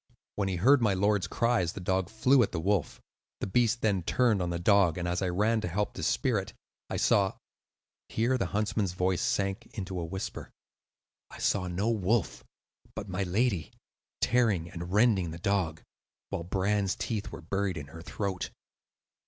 When he heard my lord's cries, the dog flew at the wolf. The beast then turned on the dog, and as I ran to help to spear it, I saw—" here the huntsman's voice sank into a whisper—"I saw no wolf, but my lady, tearing and rending the dog, while Bran's teeth were buried in her throat.